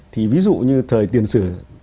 thì ví dụ như thời tiền sử